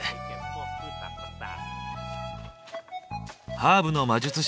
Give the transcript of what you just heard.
ハーブの魔術師